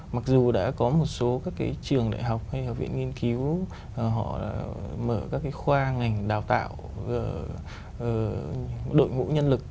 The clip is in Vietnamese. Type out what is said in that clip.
mặc dù đã có một số các cái trường đại học hay là viện nghiên cứu họ mở các cái khoa ngành đào tạo đội ngũ nhân lực